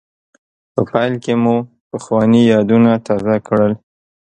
په پیل کې مو پخواني یادونه تازه کړل.